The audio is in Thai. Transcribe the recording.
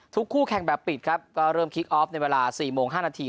คู่แข่งแบบปิดครับก็เริ่มคลิกออฟในเวลา๔โมง๕นาที